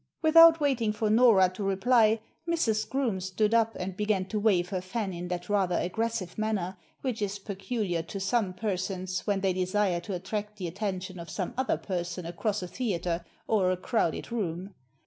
Without waiting for Nora to reply Mrs. Groome stood up, and began to wave her fan in that rather aggressive manner which is peculiar to some persons when they desire to attract the attention of some other person across a theatre or a crowded room.